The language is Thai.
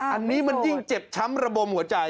อันนี้มันยิ่งเจ็บช้ำระบมหัวใจ